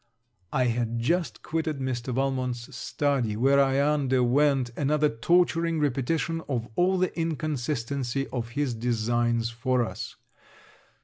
I had just quitted Mr. Valmont's study, where I underwent another torturing repetition of all the inconsistency of his designs for us.